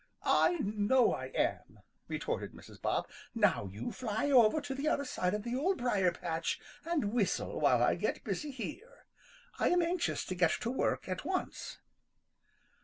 "I know I am," retorted Mrs. Bob. "Now you fly over to the other side of the Old Briar patch and whistle while I get busy here. I am anxious to get to work at once."